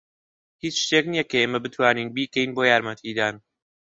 هیچ شتێک نییە کە ئێمە بتوانین بیکەین بۆ یارمەتیدان.